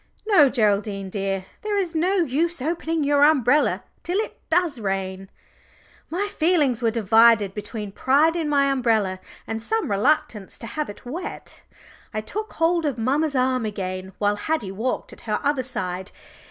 No, Geraldine dear, there is no use opening your umbrella till it does rain." My feelings were divided between pride in my umbrella and some reluctance to have it wet! I took hold of mamma's arm again, while Haddie walked at her other side.